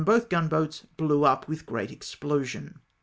both gunboats blew up w^th great explosion.